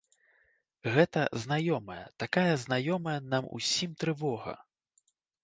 Гэта знаёмая, такая знаёмая нам усім трывога!